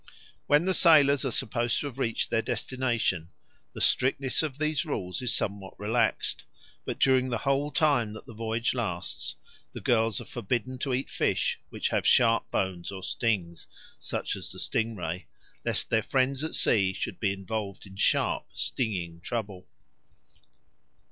When the sailors are supposed to have reached their destination, the strictness of these rules is somewhat relaxed; but during the whole time that the voyage lasts the girls are forbidden to eat fish which have sharp bones or stings, such as the sting ray, lest their friends at sea should be involved in sharp, stinging trouble.